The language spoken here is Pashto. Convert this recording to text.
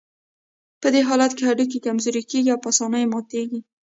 په دې حالت کې هډوکي کمزوري کېږي او په آسانۍ ماتېږي.